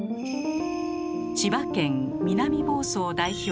千葉県南房総代表